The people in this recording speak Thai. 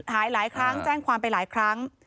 หายหลายครั้งแจ้งความไปหลายครั้ง